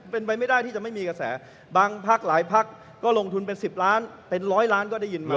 เป็นไปไม่ได้ที่จะไม่มีกระแสบางพักหลายพักก็ลงทุนเป็น๑๐ล้านเป็นร้อยล้านก็ได้ยินมา